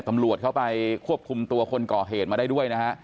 ตำรวจเข้าไปควบคุมตัวคนก่อเหตุมาได้ด้วยนะฮะ